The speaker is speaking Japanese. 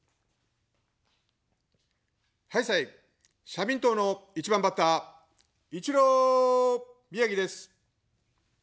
社民党の１番バッター、イチロー宮城です。